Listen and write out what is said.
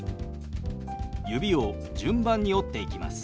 指を順番に折っていきます。